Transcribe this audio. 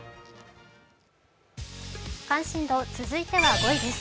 関心度、続いては５位です